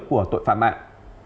của tội phạm mạng